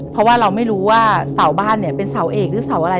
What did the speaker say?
เพราะว่าเราไม่รู้ว่าเสาบ้านเนี่ยเป็นเสาเอกหรือเสาอะไร